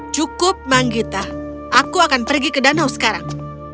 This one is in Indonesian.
cukup manggita aku akan pergi ke danau sekarang